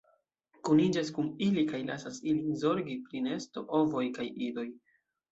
Kuniĝas kun ili kaj lasas ilin zorgi pri nesto, ovoj kaj idoj.